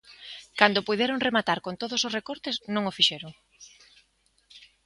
Cando puideron rematar con todos os recortes, non o fixeron.